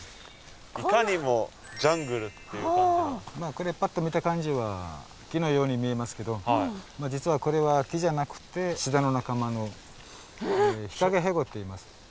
これパッと見た感じは木のように見えますけど実はこれは木じゃなくてシダの仲間のヒカゲヘゴといいます。